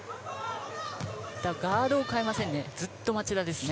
ガードを代えませんね。